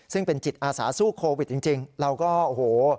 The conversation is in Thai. ซึ่งเป็นจิตอาสาสู้โควิดจริงเราก็โอ้โห